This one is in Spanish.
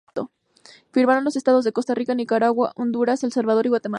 Firmaron los estados de Costa Rica, Nicaragua, Honduras, El Salvador y Guatemala.